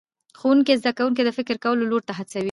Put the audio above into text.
ښوونکی زده کوونکي د فکر کولو لور ته هڅوي